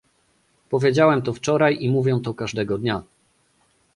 Powiedziałem to wczoraj, i mówię to każdego dnia